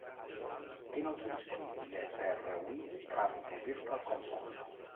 È inoltre disponibile per Wii tramite Virtual Console.